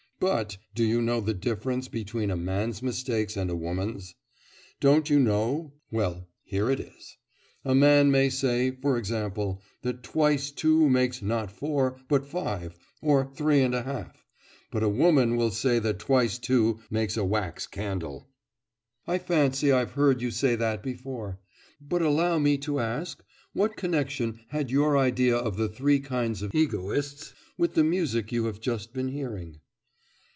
But do you know the difference between a man's mistakes and a woman's? Don't you know? Well, here it is; a man may say, for example, that twice two makes not four, but five, or three and a half; but a woman will say that twice two makes a wax candle.' 'I fancy I've heard you say that before. But allow me to ask what connection had your idea of the three kinds of egoists with the music you have just been hearing?